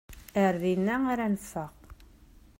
Ar dinna ara neffeɣ.